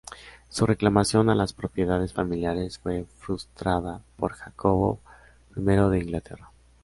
Su reclamación a las propiedades familiares fue frustrada por Jacobo I de Inglaterra.